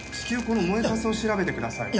この燃えかすを調べてください。